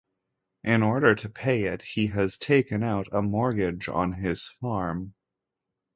In order to pay it, he has taken out a mortgage on his farm.